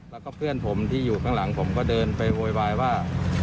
แล้วก็เพื่อนผมที่อยู่ข้างหลังผมก็เดินไปโวยวายว่า